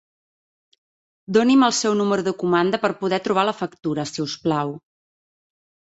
Doni'm el seu número de comanda per poder trobar la factura si us plau.